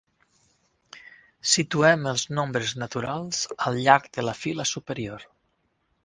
Situem els nombres naturals al llarg de la fila superior.